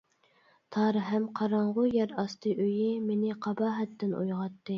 تار ھەم قاراڭغۇ يەر ئاستى ئۆيى مېنى قاباھەتتىن ئويغاتتى.